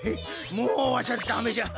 もうわしはダメじゃ。